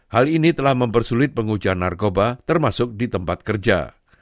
hal ini telah mempersulit pengujian narkoba termasuk di tempat kerja